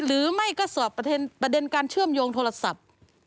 หรือไม่ก็สอบประเด็นการเชื่อมโยงโทรศัพท์